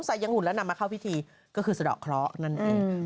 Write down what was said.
ยังหุ่นแล้วนำมาเข้าพิธีก็คือสะดอกเคราะห์นั่นเอง